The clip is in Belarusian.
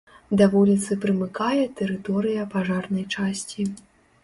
Да вуліцы прымыкае тэрыторыя пажарнай часці.